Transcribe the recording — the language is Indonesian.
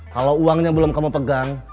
kalau uangnya belum kamu pegang